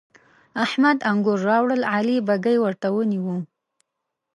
احمد انګور راوړل؛ علي بږۍ ورته ونيو.